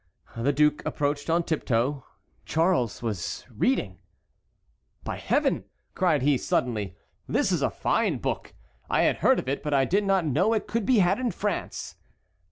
The duke approached on tiptoe; Charles was reading. "By Heaven!" cried he, suddenly, "this is a fine book. I had heard of it, but I did not know it could be had in France."